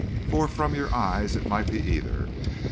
for from your eyes it might be either.